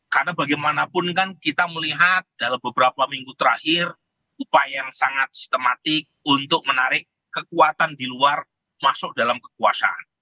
karena bagaimanapun kan kita melihat dalam beberapa minggu terakhir upaya yang sangat sistematik untuk menarik kekuatan di luar masuk dalam kekuasaan